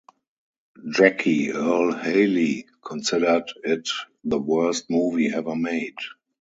Jackie Earle Haley considered it the worst movie ever made.